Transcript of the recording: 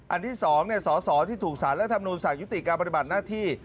อันที่สองสอสอที่ถูกศาลและธรรมนุนศักดิ์ยุติการปฏิบัติหน้าที่